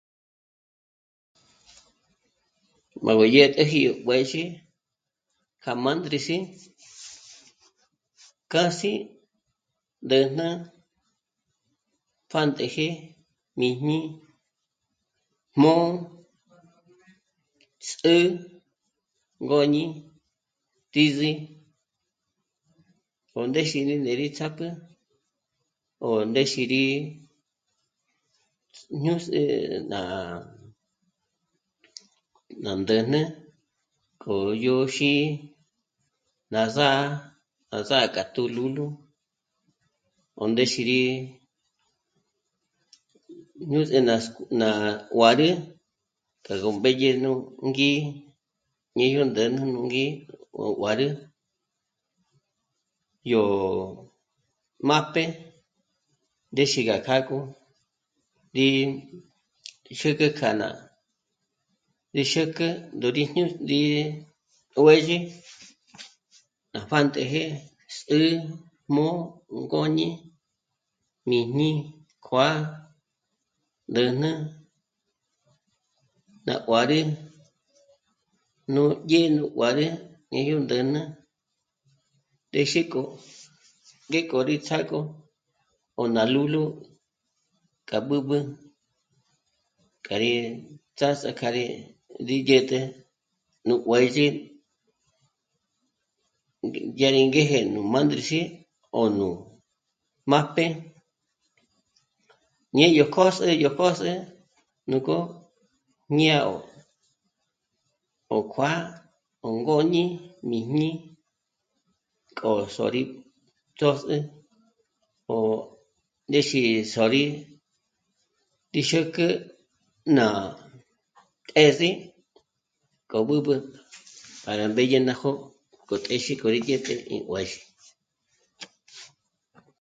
Buab'ü dyä́täji yó juë̌zhi ja mândrisí k'a sí ndä̂jnä, pjántëjë, míjñi, jmū̀'ū, s'ü'ü, ngôñi, tízi, kjo ndé xinè né rí ts'ápjü o né xí rí ñus'ü... ná ná ndä̂jnä, k'o yó xí'i na zà'a, à zà'a k'a túlúlu ó ndéxiri jnu s'ü nas... nguǎrü ka gó mbédye nú ngí, ndí yó ndä̂jnä nú ngí 'o guárü yó majp'é ndéxi gá kják'o rí xä̀kä kjà ná... rí xä̀kä ndóri jñū̌'... nde juë̌zhi ná pjántëjë, s'ǘ'ü, mū̌'ü, ngôñi, míjñi, kjuá'a, 'ä̂jnä, ná kuárü, nú ndzhínguárü ñe yo ndä̂jnä téxe k'o ngé ko rí ts'ák'o o ná lúlu k'a b'ǚb'ü k'a rá ts'ás'a k'a rí dyä̀t'ä nú juë̌zhi dyá rí ngéje nú mânduxi ò nú májp'e ñé yó kjö̌s'ü, yó kjö̌s'ü, núk'o... ñá 'ó... ó kjuá'a, ó ngôñi, míjñi, k'o s'ò'o rí ch'ós'ü o ndéxi sò'o rí... rí xúkü ná... k'és'i k'o b'ǚb'ü para mbédye ná jó'o go téxe k'o rí jä̀t'ä ínguáxi